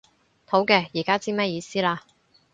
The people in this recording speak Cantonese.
好嘅，依家知咩意思啦